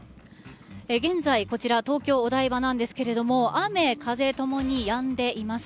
現在、こちら東京・お台場なんですが雨、風ともにやんでいます。